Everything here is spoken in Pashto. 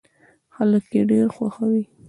خلک يې ډېر خوښوي.